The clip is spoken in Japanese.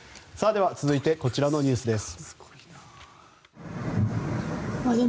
では、続いてこちらのニュースです。